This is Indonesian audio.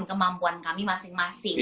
kemampuan kami masing masing